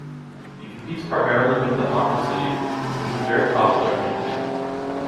It competes primarily with the Honda City, which is very popular in India.